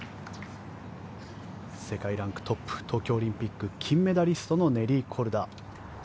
世界ランクトップ東京オリンピック金メダリストのネリー・コルダ。